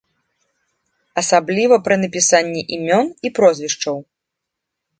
Асабліва пры напісанні імён і прозвішчаў.